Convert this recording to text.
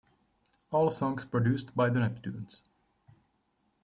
All songs produced by The Neptunes.